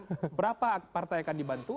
berapa partai akan dibantu